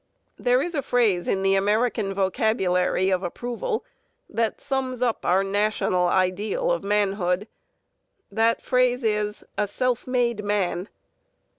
There is a phrase in the American vocabulary of approval that sums up our national ideal of manhood. That phrase is "a self made man."